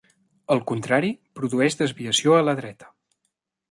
El contrari produeix desviació a la dreta.